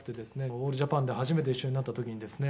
「オールジャパンで初めて一緒になった時にですね